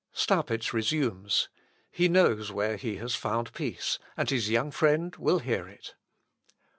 Staupitz resumes. He knows where he has found peace, and his young friend will hear it.